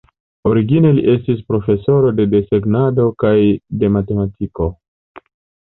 Origine li estis profesoro de desegnado kaj de matematiko.